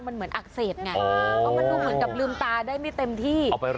มันเหมือนอ่ากเศษไงเป็นเหมือนกับลึงตาได้ไม่เต็มที่